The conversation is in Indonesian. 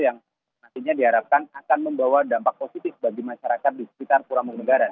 yang nantinya diharapkan akan membawa dampak positif bagi masyarakat di sekitar pura mangenggaran